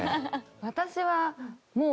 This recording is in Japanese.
私はもう。